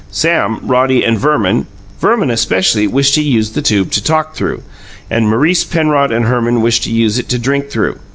Sam, Roddy and Verman Verman especially wished to use the tube "to talk through" and Maurice, Penrod and Herman wished to use it "to drink through."